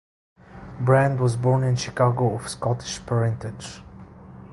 Brand was born in Chicago of Scottish parentage.